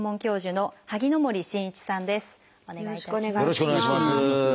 よろしくお願いします。